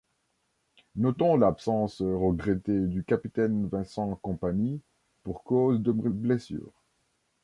Notons l'absence regrettée du capitaine Vincent Kompany, pour cause de blessure.